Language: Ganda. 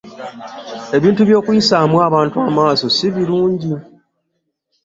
ebintu by'okuyisaamu abantu amaaso si birungi.